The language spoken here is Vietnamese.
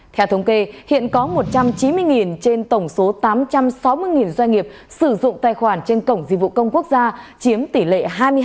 theo thống kê hiện có một trăm chín mươi trên tổng số tám trăm sáu mươi doanh nghiệp sử dụng tài khoản trên cổng dịch vụ công quốc gia chiếm tỷ lệ hai mươi hai